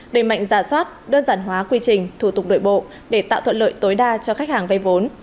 đẩy mạnh giả soát đơn giản hóa quy trình thủ tục đội bộ để tạo thuận lợi tối đa cho khách hàng vay vốn